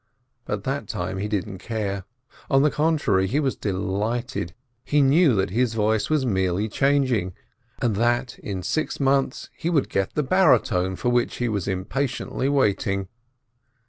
But that time he didn't care. On the contrary, he was delighted, he knew that his voice was merely changing, and that in six months he would get the baritone for which he was impatiently waiting.